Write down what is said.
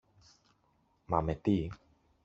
Μα με τι;